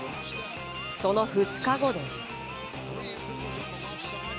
その２日後です。